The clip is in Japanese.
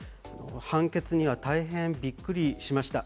判決には大変びっくりしました。